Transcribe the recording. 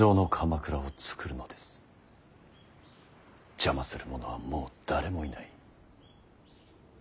邪魔する者はもう誰もいない。